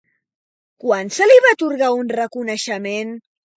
Quan se li va atorgar un reconeixement?